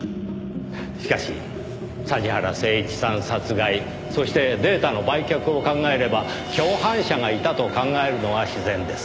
しかし桟原誠一さん殺害そしてデータの売却を考えれば共犯者がいたと考えるのが自然です。